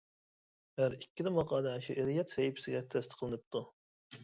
ھەر ئىككىلا ماقالە «شېئىرىيەت» سەھىپىسىگە تەستىقلىنىپتۇ.